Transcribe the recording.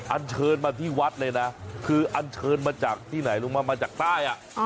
อันเชิญมาที่วัดเลยนะคืออันเชิญมาจากที่ไหนรู้ไหมมาจากใต้